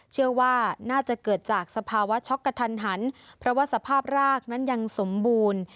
เชื่อว่าน่าจะเกิดจากสภาวะช็อกกระทันหันเพราะว่าสภาพรากนั้นยังสมบูรณ์